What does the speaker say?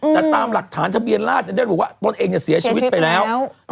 แต่ตามหลักฐานทะเบียนราชได้รู้ว่าตนเองเสียชีวิตไปแล้ว